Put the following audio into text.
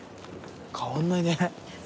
変わんないね。